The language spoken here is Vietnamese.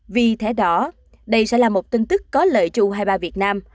vì thế đó đây sẽ là một tin tức có lợi cho u hai mươi ba việt nam